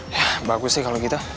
ya bagus sih kalau gitu